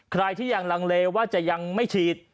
ใครที่ยังลังเลว่าจะยังไม่ฉีด